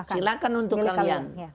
silahkan untuk kalian